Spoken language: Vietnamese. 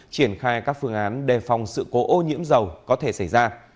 triển khai các phương án đề phòng sự cố ô nhiễm dầu có thể xảy ra